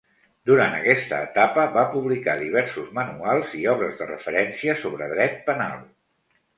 Durant aquesta etapa va publicar diversos manuals i obres de referència sobre dret penal.